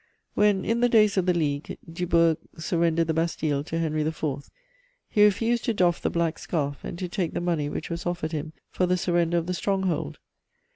When, in the days of the League, Du Bourg surrendered the Bastille to Henry IV., he refused to doff the black scarf and to take the money which was offered him for the surrender of the stronghold.